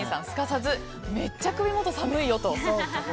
すかさず、めっちゃ首元寒いよと。